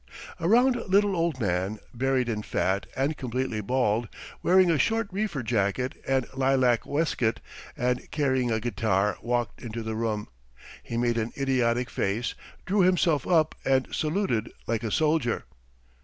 A round little old man, buried in fat and completely bald, wearing a short reefer jacket and lilac waistcoat and carrying a guitar, walked into the room. He made an idiotic face, drew himself up, and saluted like a soldier.